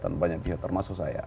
dan banyak pihak termasuk saya